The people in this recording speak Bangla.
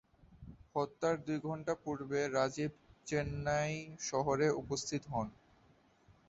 হত্যার দুই ঘণ্টা পূর্বে রাজীব চেন্নাই শহরে উপস্থিত হন।